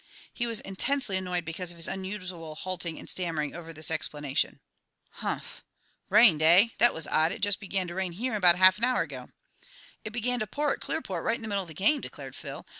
He was intensely annoyed because of his unusual halting and stammering over this explanation. "Humph! Rained, eh? That was odd; just began to rain here about half an hour ago." "It began to pour at Clearport right in the middle of the game," declared Phil.